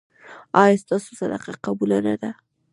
ایا ستاسو صدقه قبوله نه ده؟